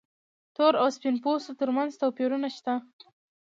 تور او سپین پوستو تر منځ توپیرونه شته.